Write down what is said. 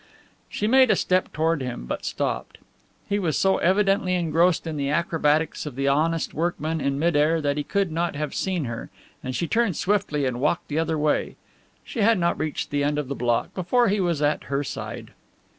She made a step toward him, but stopped. He was so evidently engrossed in the acrobatics of the honest workman in mid air that he could not have seen her and she turned swiftly and walked the other way. She had not reached the end of the block before he was at her side.